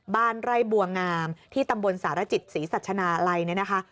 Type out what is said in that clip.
บ้านไร่บัวงามที่ตำบลสารจิตศรีสัชนาลัยเนี่ยนะคะ